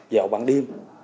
dầu bằng đêm